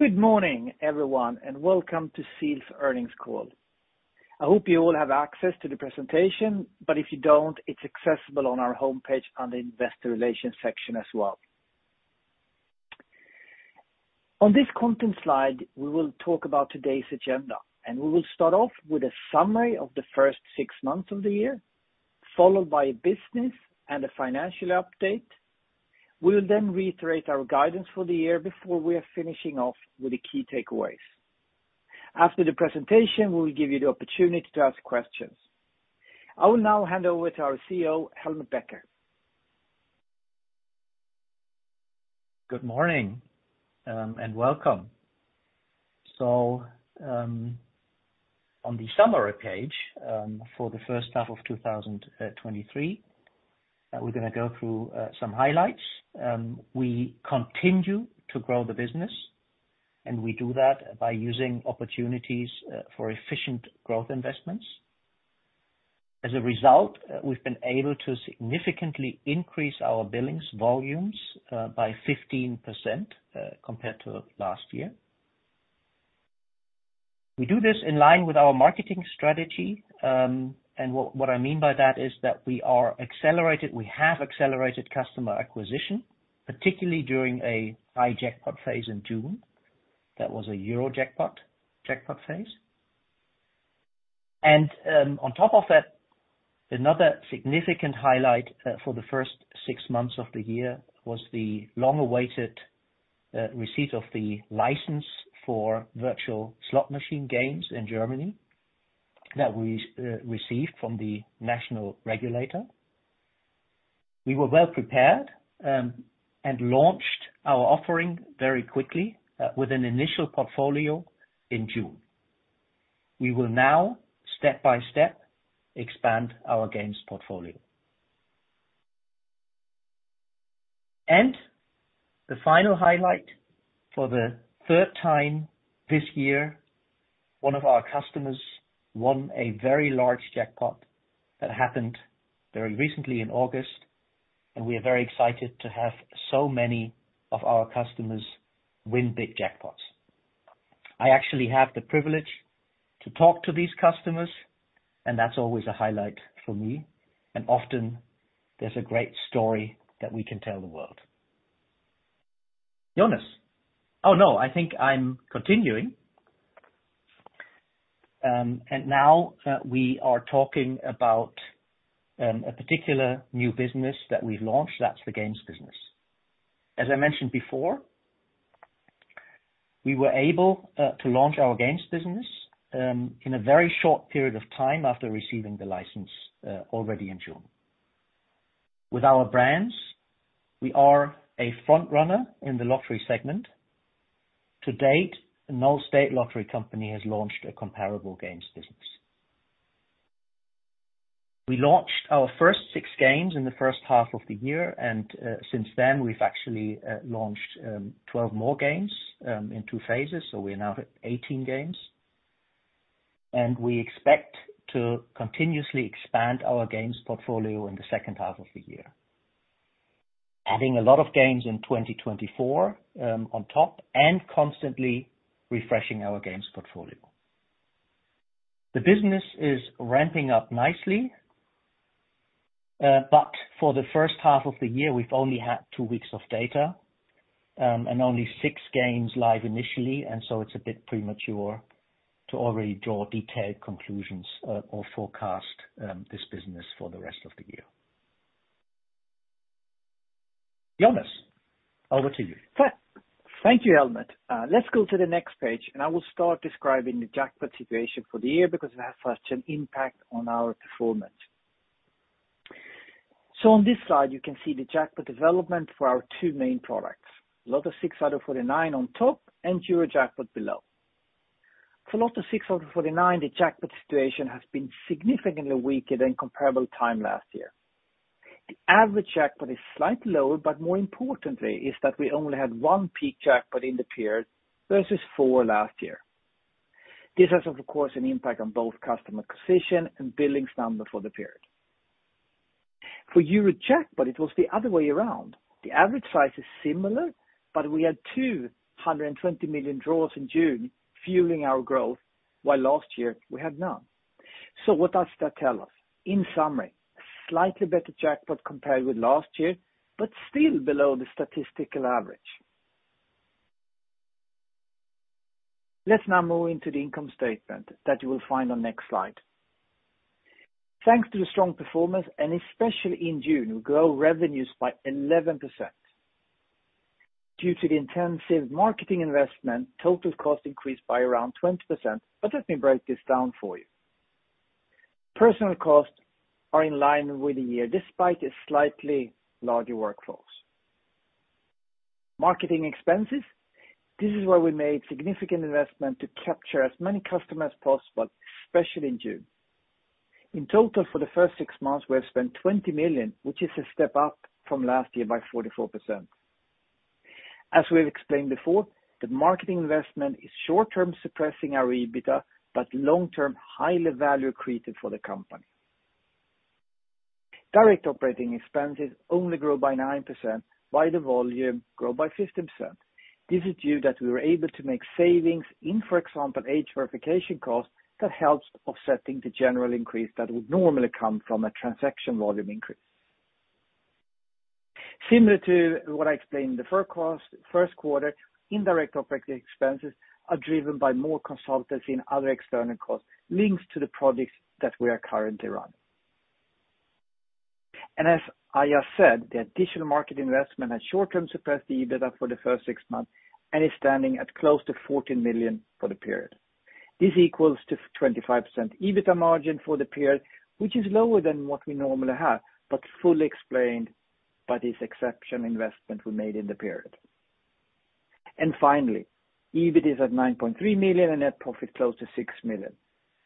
Good morning, everyone, and welcome to ZEAL's Earnings Call. I hope you all have access to the presentation, but if you don't, it's accessible on our homepage on the Investor Relations section as well. On this content slide, we will talk about today's agenda, and we will start off with a summary of the first six months of the year, followed by a business and a financial update. We will then reiterate our guidance for the year before we are finishing off with the key takeaways. After the presentation, we will give you the opportunity to ask questions. I will now hand over to our CEO, Helmut Becker. Good morning, and welcome. On the summary page, for the first half of 2023, we're gonna go through some highlights. We continue to grow the business, and we do that by using opportunities for efficient growth investments. As a result, we've been able to significantly increase our billings volumes by 15% compared to last year. We do this in line with our marketing strategy, and what, what I mean by that is that we are accelerated -- we have accelerated customer acquisition, particularly during a high jackpot phase in June. That was a Eurojackpot, jackpot phase. On top of that, another significant highlight for the first six months of the year was the long-awaited receipt of the license for virtual slot machine games in Germany, that we received from the national regulator. We were well-prepared and launched our offering very quickly with an initial portfolio in June. We will now, step by step, expand our games portfolio. The final highlight, for the third time this year, one of our customers won a very large jackpot. That happened very recently in August, and we are very excited to have so many of our customers win big jackpots. I actually have the privilege to talk to these customers, and that's always a highlight for me, and often there's a great story that we can tell the world. Jonas. Oh, no, I think I'm continuing. Now, we are talking about a particular new business that we've launched, that's the games business. As I mentioned before, we were able to launch our games business in a very short period of time after receiving the license already in June. With our brands, we are a front runner in the lottery segment. To date, no state lottery company has launched a comparable games business. We launched our first 6 games in the first half of the year, since then, we've actually launched 12 more games in two phases, so we now have 18 games. We expect to continuously expand our games portfolio in the second half of the year. Adding a lot of games in 2024 on top, and constantly refreshing our games portfolio. The business is ramping up nicely, but for the 1st half of the year, we've only had two weeks of data, and only six games live initially, and so it's a bit premature to already draw detailed conclusions, or forecast, this business for the rest of the year. Jonas, over to you. Thank you, Helmut. Let's go to the next page, I will start describing the jackpot situation for the year, because it has such an impact on our performance. On this slide, you can see the jackpot development for our two main products. Lotto six out of 49 on top and Eurojackpot below. For Lotto six out of 49, the jackpot situation has been significantly weaker than comparable time last year. The average jackpot is slightly lower, more importantly, is that we only had one peak jackpot in the period, versus four last year. This has, of course, an impact on both customer acquisition and billings number for the period. For Eurojackpot, it was the other way around. The average size is similar, we had 220 million draws in June, fueling our growth, while last year we had none. What does that tell us? In summary, slightly better jackpot compared with last year, but still below the statistical average. Let's now move into the income statement that you will find on next slide. Thanks to the strong performance, especially in June, we grew revenues by 11%. Due to the intensive marketing investment, total cost increased by around 20%. Let me break this down for you. Personal costs are in line with the year, despite a slightly larger workforce. Marketing expenses, this is where we made significant investment to capture as many customers as possible, especially in June. In total, for the first six months, we have spent 20 million, which is a step up from last year by 44%. As we've explained before, the marketing investment is short-term suppressing our EBITDA, but long-term, highly value created for the company. Direct operating expenses only grow by 9%, while the volume grow by 50%. This is due that we were able to make savings in, for example, age verification costs, that helps offsetting the general increase that would normally come from a transaction volume increase. Similar to what I explained in the 1st cost, 1st quarter, indirect operating expenses are driven by more consultancy and other external costs, links to the projects that we are currently running. As I have said, the additional market investment has short-term suppressed the EBITDA for the first six months, and is standing at close to 14 million for the period. This equals to 25% EBITDA margin for the period, which is lower than what we normally have, but fully explained by this exceptional investment we made in the period. Finally, EBIT is at 9.3 million, and net profit, close to 6 million.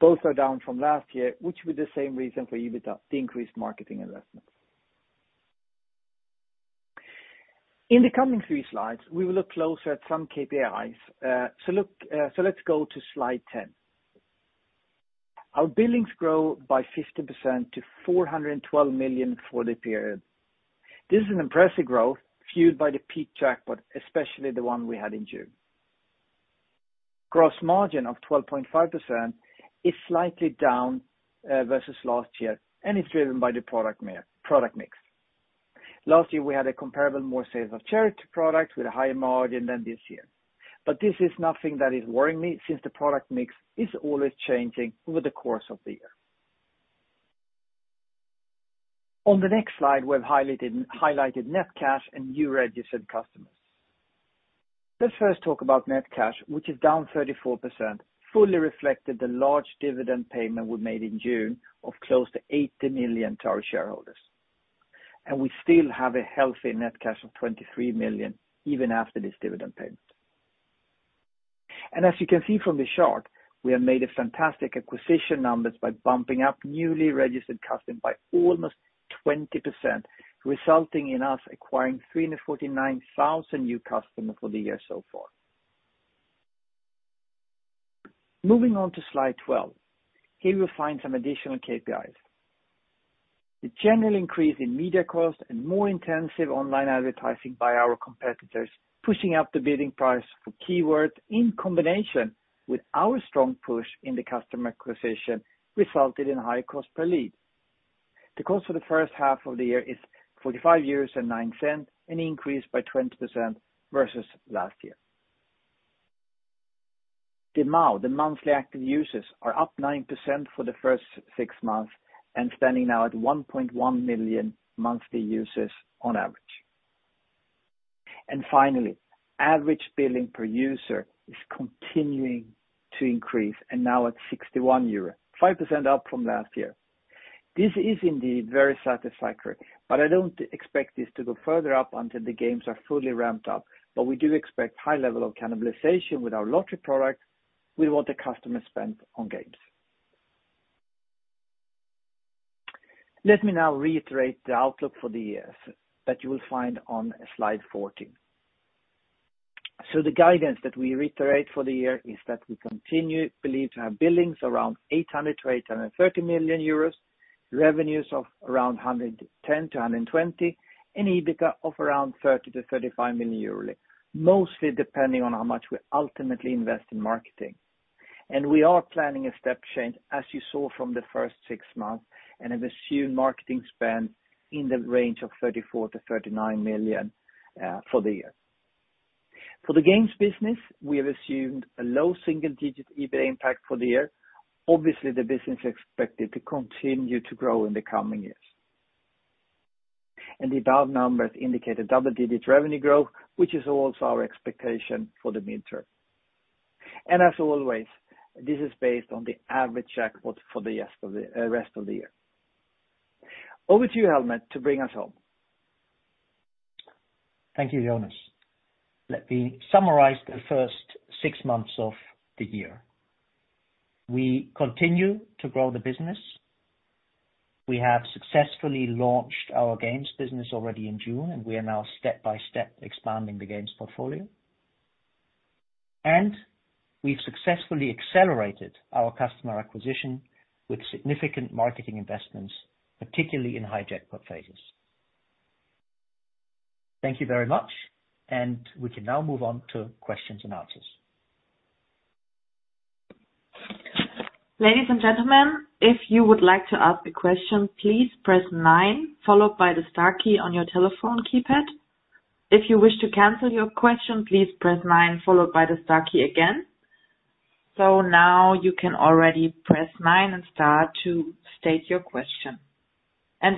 Both are down from last year, which with the same reason for EBITDA, the increased marketing investment. In the coming 3 slides, we will look closer at some KPIs. So look, so let's go to slide 10. Our billings grow by 50% to 412 million for the period. This is an impressive growth, fueled by the peak jackpot, especially the one we had in June. Gross margin of 12.5% is slightly down versus last year, and it's driven by the product mix. Last year, we had a comparable more sales of charity products with a higher margin than this year. This is nothing that is worrying me, since the product mix is always changing over the course of the year. On the next slide, we've highlighted net cash and new registered customers. Let's first talk about net cash, which is down 34%, fully reflected the large dividend payment we made in June of close to 80 million to our shareholders. We still have a healthy net cash of 23 million, even after this dividend payment. As you can see from the chart, we have made a fantastic acquisition numbers by bumping up newly registered customers by almost 20%, resulting in us acquiring 349,000 new customers for the year so far. Moving on to Slide 12. Here you'll find some additional KPIs. The general increase in media costs and more intensive online advertising by our competitors, pushing up the bidding price for keywords in combination with our strong push in the customer acquisition, resulted in higher cost per lead. The cost for the first half of the year is 45.09 euros, an increase by 20% versus last year. The MAU, the Monthly Active Users, are up 9% for the first six months, standing now at 1.1 million monthly users on average. Finally, average billings per user is continuing to increase, and now at 61 euro, 5% up from last year. This is indeed very satisfactory, but I don't expect this to go further up until the games are fully ramped up, but we do expect high level of cannibalization with our lottery product with what the customers spend on games. Let me now reiterate the outlook for the years, that you will find on Slide 14. The guidance that we reiterate for the year is that we continue believe to have billings around 800 million-830 million euros, revenues of around 110 million-120 million, and EBITDA of around 30 million-35 million euros yearly, mostly depending on how much we ultimately invest in marketing. We are planning a step change, as you saw from the first six months, and have assumed marketing spend in the range of 34 million-39 million for the year. For the games business, we have assumed a low single-digit EBITDA impact for the year. Obviously, the business is expected to continue to grow in the coming years. The above numbers indicate a double-digit revenue growth, which is also our expectation for the midterm. As always, this is based on the average jackpot for the yes of the rest of the year. Over to you, Helmut, to bring us home. Thank you, Jonas. Let me summarize the first six months of the year. We continue to grow the business. We have successfully launched our games business already in June. We are now step-by-step expanding the games portfolio. We've successfully accelerated our customer acquisition with significant marketing investments, particularly in high jackpot phases. Thank you very much, and we can now move on to questions and answers. Ladies and gentlemen, if you would like to ask a question, please press nine followed by the star key on your telephone keypad. If you wish to cancel your question, please press nine followed by the star key again. Now you can already press nine and star to state your question.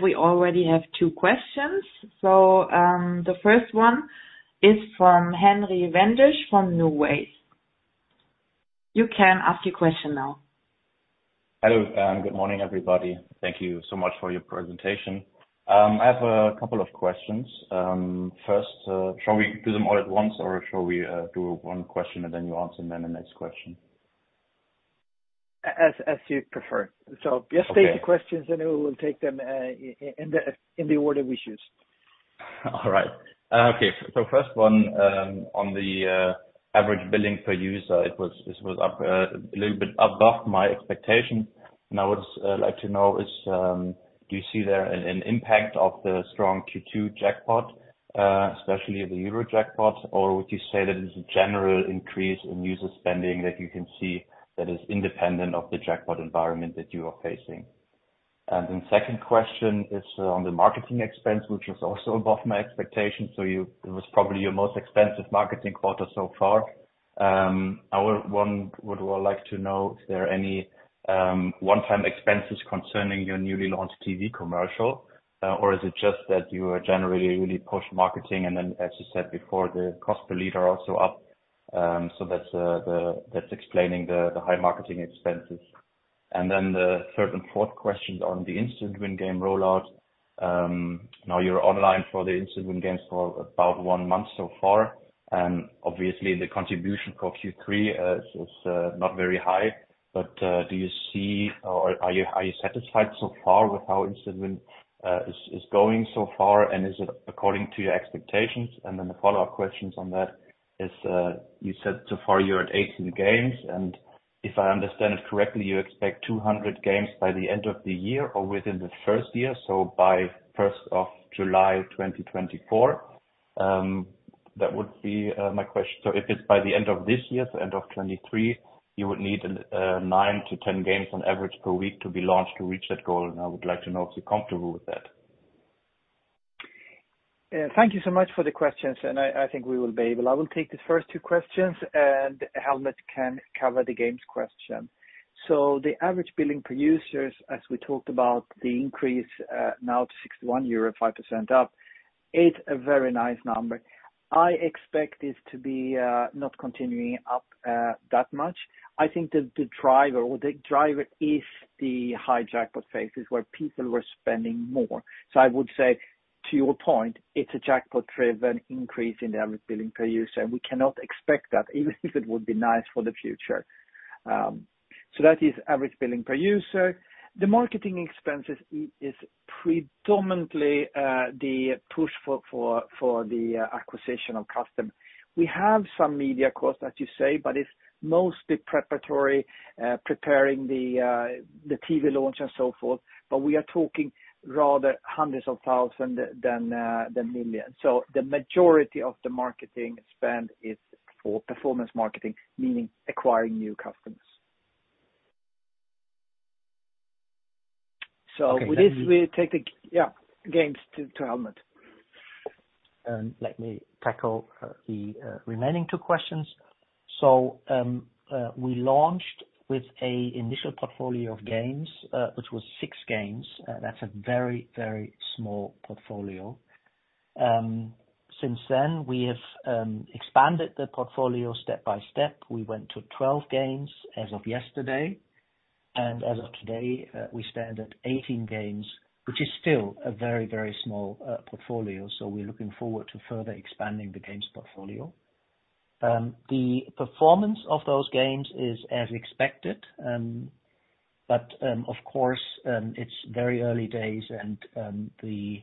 We already have two questions. The first one is from Henry Wendisch, from NuWays. You can ask your question now. Hello, good morning, everybody. Thank you so much for your presentation. I have a couple of questions. First, shall we do them all at once, or shall we do one question and then you answer, and then the next question? As, as you prefer. Just state the questions and we will take them in the, in the order we choose. All right. Okay, first one, on the average billings per user, it was, this was up a little bit above my expectation. I would like to know is, do you see there an impact of the strong Q2 jackpot, especially the Eurojackpot? Would you say that it's a general increase in user spending that you can see that is independent of the jackpot environment that you are facing? Second question is on the marketing expense, which is also above my expectation. It was probably your most expensive marketing quarter so far. I would well like to know if there are any one-time expenses concerning your newly launched TV commercial, or is it just that you are generally really push marketing, then as you said before, the cost per lead are also up, so that's that's explaining the high marketing expenses. Then the third and fourth questions on the Instant Win Game rollout. Now you're online for the Instant Win Games for about 1 month so far, and obviously the contribution for Q3 is not very high. Do you see or are you, are you satisfied so far with how Instant Win is going so far, and is it according to your expectations? The follow-up questions on that is, you said so far you're at 18 games, and if I understand it correctly, you expect 200 games by the end of the year or within the first year, so by July 1, 2024. That would be my question. If it's by the end of this year, the end of 2023, you would need 9-10 games on average per week to be launched to reach that goal, and I would like to know if you're comfortable with that. Thank you so much for the questions, and I, I think we will be able. I will take the first two questions, and Helmut can cover the games question. The average billings per user, as we talked about, the increase now to 61 euro, 5% up, it's a very nice number. I expect this to be not continuing up that much. I think the, the driver or the driver is the high jackpot phases where people were spending more. I would say, to your point, it's a jackpot-driven increase in the average billings per user, and we cannot expect that, even if it would be nice for the future. That is average billings per user. The marketing expenses is predominantly the push for, for, for the acquisition of customer. We have some media costs, as you say, but it's mostly preparatory, preparing the TV launch and so forth, but we are talking rather EUR hundreds of thousand than million. The majority of the marketing spend is for performance marketing, meaning acquiring new customers. With this, we take the games to Helmut. Let me tackle the two remaining questions. We launched with a initial portfolio of games, which was 6 games. That's a very, very small portfolio. Since then, we have expanded the portfolio step by step. We went to 12 games as of yesterday, and as of today, we stand at 18 games, which is still a very, very small portfolio. We're looking forward to further expanding the games portfolio. The performance of those games is as expected, but of course, it's very early days and the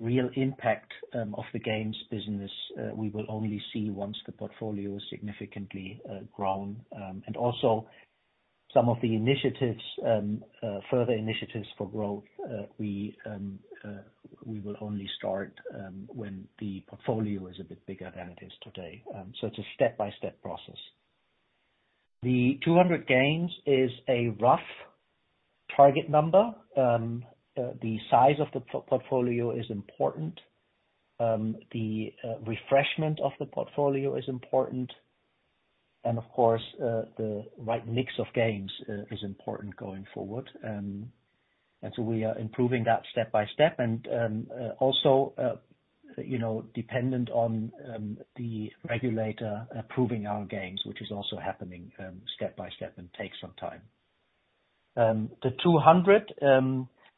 real impact of the games business, we will only see once the portfolio is significantly grown. Also, some of the initiatives, further initiatives for growth, we will only start when the portfolio is a bit bigger than it is today. It's a step-by-step process. The 200 games is a rough target number. The size of the portfolio is important. The refreshment of the portfolio is important, and of course, the right mix of games is important going forward. So we are improving that step by step and, also dependent on the regulator approving our games, which is also happening step by step and takes some time. The 200,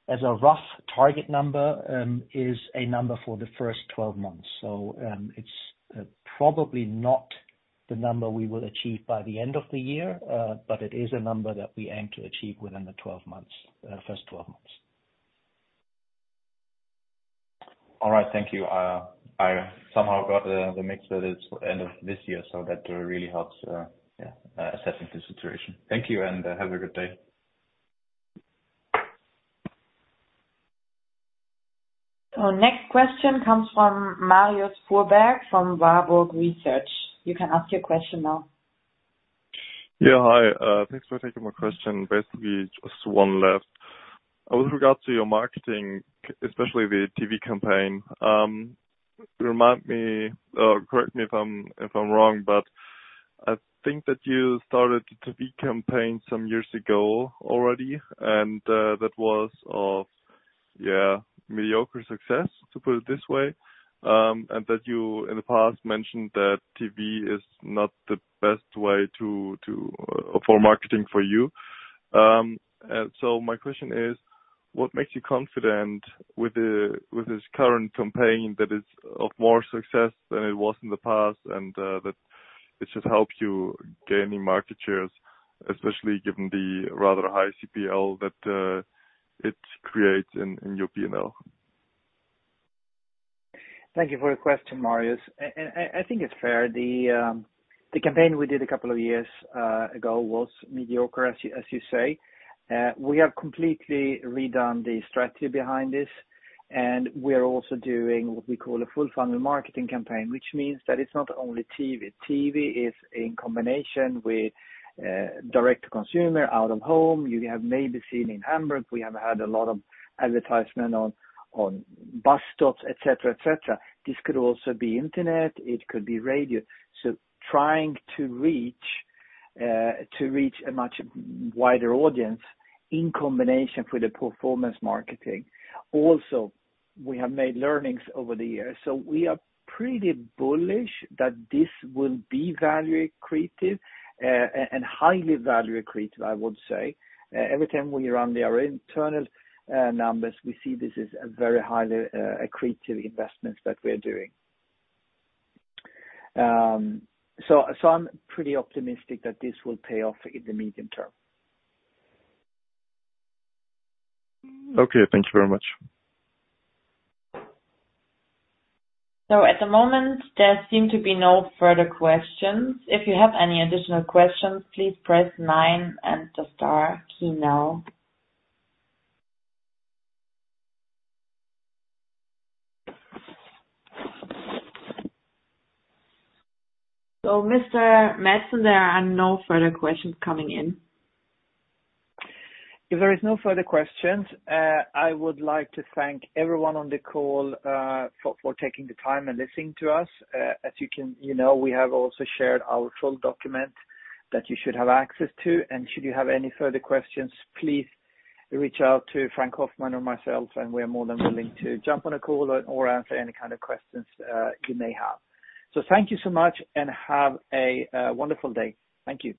as a rough target number, is a number for the first 12 months. It's probably not the number we will achieve by the end of the year, but it is a number that we aim to achieve within the 12 months, first 12 months. All right, thank you. I somehow got the, the mix that is end of this year, that really helps, yeah, assessing the situation. Thank you. Have a good day. Our next question comes from Marius Fuhrberg, from Warburg Research. You can ask your question now. Yeah, hi. Thanks for taking my question. Basically, just one left. With regards to your marketing, especially the TV campaign, remind me, or correct me if I'm, if I'm wrong, but I think that you started the TV campaign some years ago already, that was of, yeah, mediocre success, to put it this way. That you, in the past, mentioned that TV is not the best way to, to, for marketing for you. My question is, what makes you confident with this current campaign, that it's of more success than it was in the past, it should help you gaining market shares, especially given the rather high CPL that it creates in, in your P&L. Thank you for your question, Marius. I, I think it's fair. The, the campaign we did a couple of years ago, was mediocre, as you, as you say. We have completely redone the strategy behind this, and we are also doing what we call a full-funnel marketing campaign, which means that it's not only TV. TV is in combination with direct to consumer, out-of-home. You have maybe seen in Hamburg, we have had a lot of advertisement on, on bus stops, et cetera, et cetera. This could also be internet, it could be radio. Trying to reach to reach a much wider audience in combination with the performance marketing. We have made learnings over the years, so we are pretty bullish that this will be value accretive and highly value accretive, I would say. Every time we run our internal numbers, we see this is a very highly accretive investments that we're doing. So I'm pretty optimistic that this will pay off in the medium term. Okay, thank you very much. At the moment, there seem to be no further questions. If you have any additional questions, please press nine and the star key now. Mr. Mattsson, there are no further questions coming in. If there is no further questions, I would like to thank everyone on the call, for, for taking the time and listening to us. As you can-- you know, we have also shared our full document that you should have access to, and should you have any further questions, please reach out to Frank Hoffmann or myself, and we're more than willing to jump on a call or answer any kind of questions, you may have. Thank you so much, and have a wonderful day. Thank you.